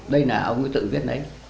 đây là ông ấy tự viết lấy